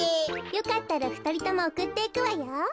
よかったらふたりともおくっていくわよ。